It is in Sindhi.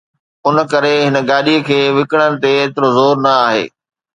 ان ڪري هن گاڏيءَ کي وڪڻڻ تي ايترو زور نه آهي